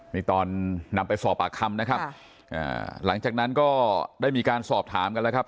นี่ตอนนำไปสอบปากคำนะครับหลังจากนั้นก็ได้มีการสอบถามกันแล้วครับ